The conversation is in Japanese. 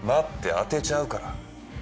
当てちゃうから。